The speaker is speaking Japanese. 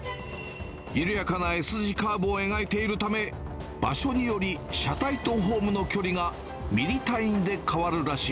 緩やかなＳ字カーブを描いているため、場所により車体とホームの距離がミリ単位で変わるらしい。